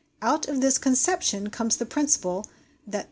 Out of this conception comes the principle that, 13.